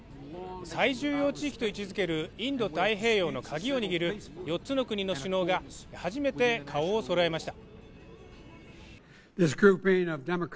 最重要地域と位置づけるインド太平洋のカギを握る４つの国の首脳が初めて顔をそろえました。